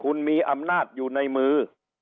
คุณมีอำนาจอยู่ในมือ